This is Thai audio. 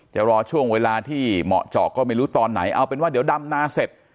จะรอช่วงเวลาที่เหมาะเจาะก็ไม่รู้ตอนไหนเอาเป็นว่าเดี๋ยวดำนาเสร็จ